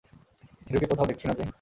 থিরুকে কোথাও দেখছি না যে?